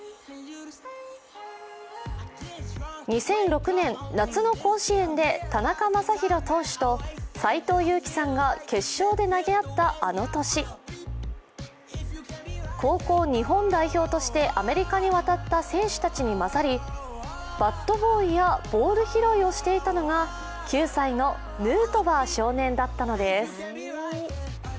２００６年、夏の甲子園で田中将大投手と斎藤佑樹さんが決勝で投げ合ったあの年、高校日本代表としてアメリカに渡った選手たちに交ざりバットボーイやボール拾いをしていたのが９歳のヌートバー少年だったのです。